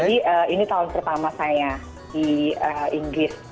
jadi ini tahun pertama saya di inggris